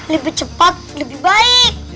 lebih cepat lebih baik